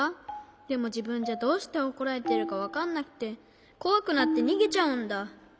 でもじぶんじゃどうしておこられてるかわかんなくてこわくなってにげちゃうんだ。